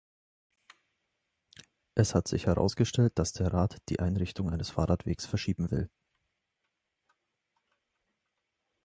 Es hat sich herausgestellt, dass der Rat die Einrichtung eines Fahrradweges verschieben will.